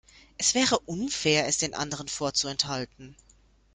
Es wäre unfair, es den anderen vorzuenthalten.